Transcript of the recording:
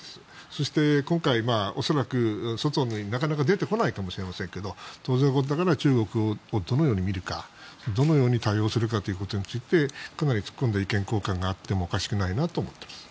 そして、今回、恐らく外になかなか出てこないかもしれませんけど当然のことながら中国をどのように見るかどのように対応するかということについてかなり突っ込んで意見交換があってもおかしくないと思います。